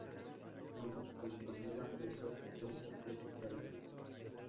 El campanero, Joseph, es aplastado.